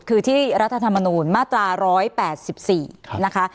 คือที่รัฐธรรมนูญมาตรา๑๘๔นะคะ